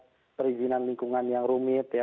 terlalu patuh terhadap perizinan lingkungan yang rumit ya